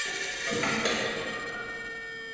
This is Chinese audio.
民俗学早期的代表人物是德国的格林兄弟。